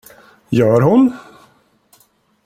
Gör hon?